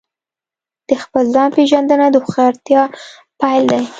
د خپل ځان پېژندنه د هوښیارتیا پیل دی.